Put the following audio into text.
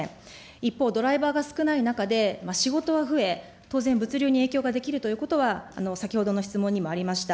一方、ドライバーが少ない中で、仕事は増え、当然、物流に影響ができるということは、先ほどの質問にもありました。